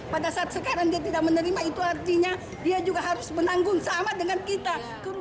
pada saat sekarang dia tidak menerima itu artinya dia juga harus menanggung sama dengan kita